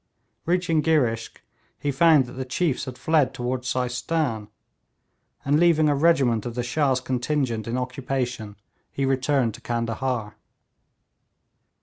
Reaching Girishk, he found that the chiefs had fled toward Seistan, and leaving a regiment of the Shah's contingent in occupation, he returned to Candahar.